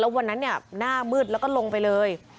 แล้ววันนั้นเนี่ยหน้ามืดแล้วก็ลงไปเลย